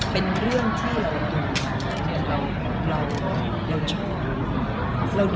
เป็นเรื่องที่เราชอบ